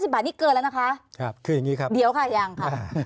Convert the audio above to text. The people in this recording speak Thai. ๕๐บาทนี่เกินแล้วนะคะเดี๋ยวค่ะยังค่ะ